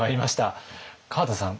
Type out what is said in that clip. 川田さん